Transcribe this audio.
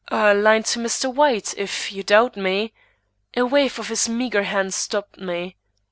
A line to Mr. White, if you doubt me " A wave of his meagre hand stopped me.